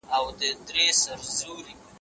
د پوهي په لاره کي تل هڅه کوه.